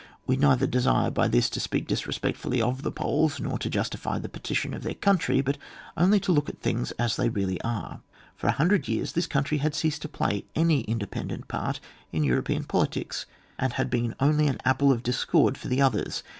We neither desire by this to speak dis respectfully of the Poles, nor to justify the partition of their country, but only to look at things as they really are. For a hundred years this country had ceased to play any independent part in European politics, and had been only an apple of discord for the others.